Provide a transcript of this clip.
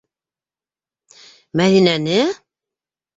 Мәҙинәне?!